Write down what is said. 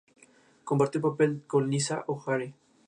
Compartió el papel con Lisa O'Hare.